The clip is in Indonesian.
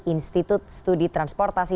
institut studi transportasi